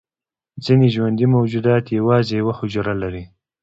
ځینې ژوندي موجودات یوازې یوه حجره لري